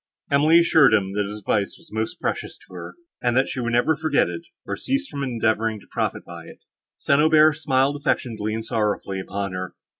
Emily assured him, that his advice was most precious to her, and that she would never forget it, or cease from endeavouring to profit by it. St. Aubert smiled affectionately and sorrowfully upon her.